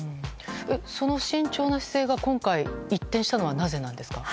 その慎重な姿勢が今回、一転したのはなぜなんですか？